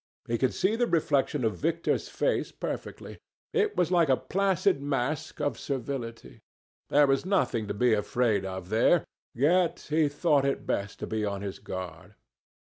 He could see the reflection of Victor's face perfectly. It was like a placid mask of servility. There was nothing to be afraid of, there. Yet he thought it best to be on his guard.